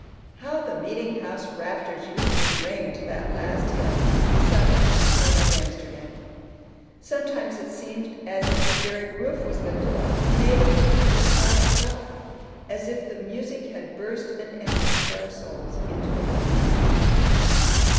How the meeting house rafters used to ring to that last hymn, sung to the tune of "Amsterdam!" Sometimes it seemed as if the very roof was lifted off, nay, the roof of the sky itself as if the music had burst an entrance for our souls into the heaven of heavens.